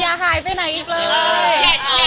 อย่าหายไปไหนอีกเลย